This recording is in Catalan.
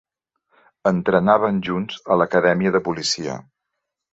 Entrenaven junts a l'acadèmia de policia.